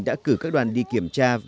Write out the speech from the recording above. đã cử các đoàn đi kiểm tra